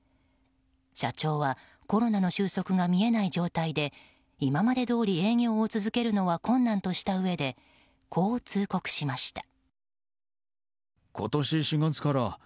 社長はコロナの収束が見えない状態で今までどおり営業を続けるのは困難としたうえでこう通告しました。